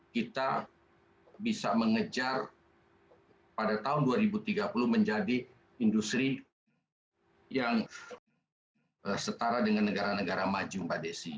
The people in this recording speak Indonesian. kita bisa mengejar pada tahun dua ribu tiga puluh menjadi industri yang setara dengan negara negara maju mbak desi